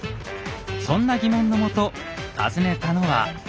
そんな疑問のもと訪ねたのは大阪。